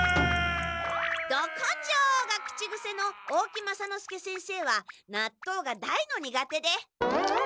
「ドコンジョー！」が口癖の大木雅之助先生はなっとうが大の苦手で。